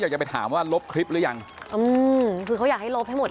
อยากจะไปถามว่าลบคลิปหรือยังอืมคือเขาอยากให้ลบให้หมด